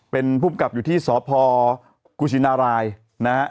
เป็นภูมิกับอยู่ที่สพกุชินารายนะฮะ